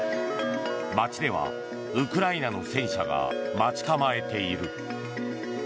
街ではウクライナの戦車が待ち構えている。